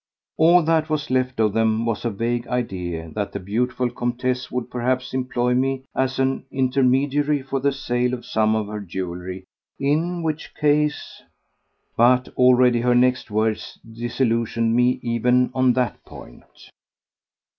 All that was left of them was a vague idea that the beautiful Comtesse would perhaps employ me as an intermediary for the sale of some of her jewellery, in which case ... But already her next words disillusioned me even on that point.